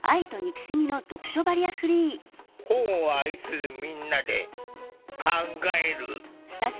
本を愛するみんなで考える。